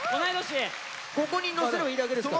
ここにのせればいいだけですから。